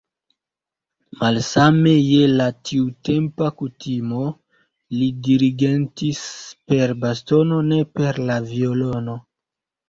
Malsame je la tiutempa kutimo, li dirigentis per bastono, ne per la violono.